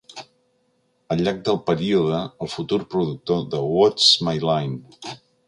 Al llarg del període, el futur productor de "What's My Line?"